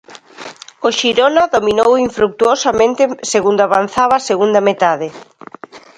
O Xirona dominou infrutuosamente segundo avanzaba a segunda metade.